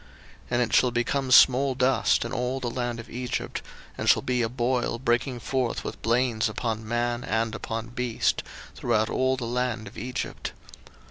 02:009:009 And it shall become small dust in all the land of Egypt, and shall be a boil breaking forth with blains upon man, and upon beast, throughout all the land of Egypt.